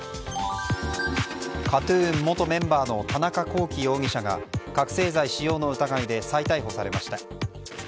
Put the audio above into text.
ＫＡＴ‐ＴＵＮ元メンバーの田中聖容疑者が覚醒剤使用の疑いで再逮捕されました。